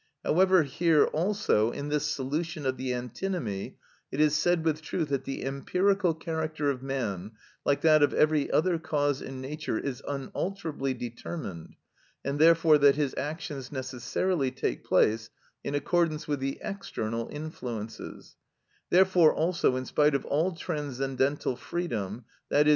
However, here also, in this solution of the antinomy, it is said with truth that the empirical character of man, like that of every other cause in nature, is unalterably determined, and therefore that his actions necessarily take place in accordance with the external influences; therefore also, in spite of all transcendental freedom (_i.e.